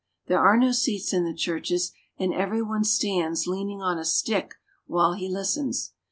There are no seats in the churches, and every one stands leaning on a stick while he listens.